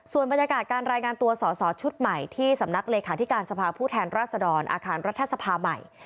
ส่วนบรรยากาศการรายงานตัวสอสอชุดใหม่ที่สำนักเลขาธิการสภาพผู้แทนราชดรอาคารรัฐสภาใหม่